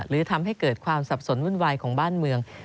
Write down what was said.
หรือทำให้เกิดความสับสนวุ่นวายของบ้านเมือง